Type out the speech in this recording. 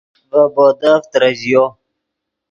ڤے بودف ترژیو